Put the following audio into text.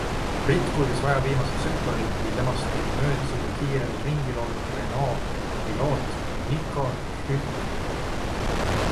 Britt kulges raja viimasel sektoril, kui temast tegi möödasõidu kiirel ringil olnud Renault' piloot Nico Hülkenberg.